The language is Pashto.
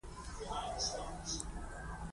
خیانت، دوه مخی توب او کینه نه پېژني.